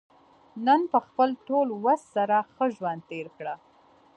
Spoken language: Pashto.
نن په خپل ټول وس سره ښه ژوند تېر کړه.